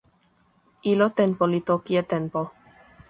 ilo tenpo li toki e tenpo.